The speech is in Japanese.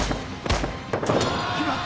決まった！